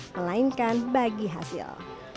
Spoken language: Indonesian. melainkan bagi hasil